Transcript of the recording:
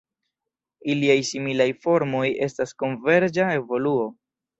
Iliaj similaj formoj estas konverĝa evoluo.